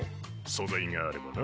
素材があればな。